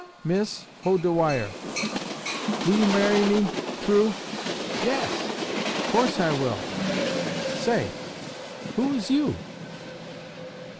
"Miss hold de wire Will you marry me? True ?" "Yas. Course I will Say. Who is you?"